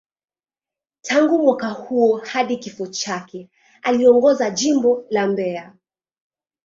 Tangu mwaka huo hadi kifo chake, aliongoza Jimbo la Mbeya.